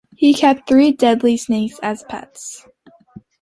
He keeps three deadly snakes as pets.